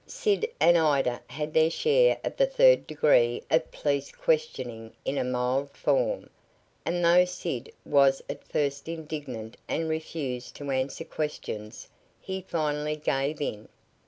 Sid and Ida had their share of the "third degree" of police questioning in a mild form, and though Sid was at first indignant and refused to answer questions, he finally gave in.